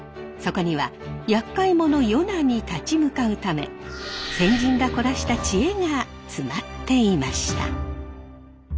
そこにはやっかい者ヨナに立ち向かうため先人が凝らした知恵が詰まっていました。